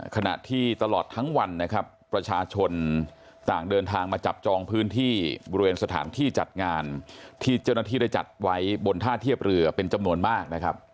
ขณะที่ตลอดทั้งวันนะครับประชาชนต่างเดินทางมาจับจองพื้นที่บริเวณสถานที่จัดงานที่เจ้าหน้าที่ได้จัดไว้บนท่าเทียบเรือเป็นจำนวนมากนะครับ